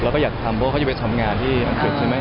เราก็อยากทำเพราะว่าเขาจะไปทำงานที่อังกฤษใช่ไหม